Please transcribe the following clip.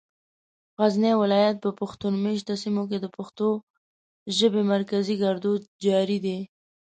غزني ولايت په پښتون مېشتو سيمو کې د پښتو ژبې مرکزي ګړدود جاري دی.